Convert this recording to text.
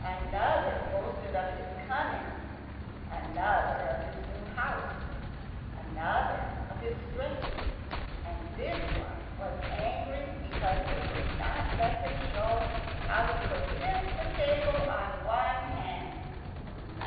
Another boasted of his cunning, another of his new house, another of his strength, and this one was angry because they would not let him show how he could lift the table on one hand.